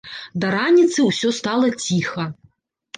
Да раніцы ўсё стала ціха.